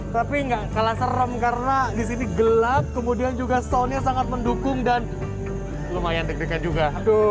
tapi nggak kalah serem karena disini gelap kemudian juga stonenya sangat mendukung dan lumayan deg degan juga